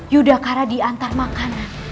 yudhakara diantar makanan